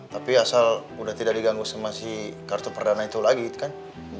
tapi asal udah tidak diganggu sama si kartu perdana itu lagi kan